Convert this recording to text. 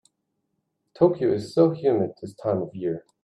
Tokyo is so humid this time of year.